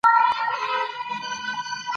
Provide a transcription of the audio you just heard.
د بریښنایي تذکرو ویش د نظم او امنیت سبب دی.